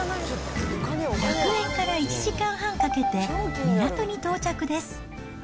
楽園から１時間半かけて、港に到着です。